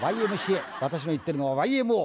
私の言ってるのはＹ．Ｍ．Ｏ．！